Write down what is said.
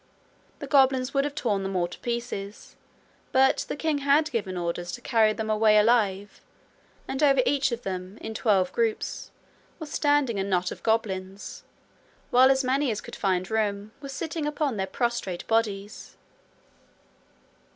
The goblins would have torn them all to pieces, but the king had given orders to carry them away alive, and over each of them, in twelve groups, was standing a knot of goblins, while as many as could find room were sitting upon their prostrate bodies.